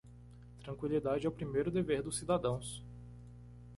Tranquilidade é o primeiro dever dos cidadãos.